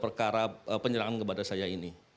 perkara penyerangan kepada saya ini